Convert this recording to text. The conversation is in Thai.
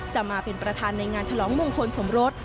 จะมาเป็นประธานในงานฉลองมงคลสมรส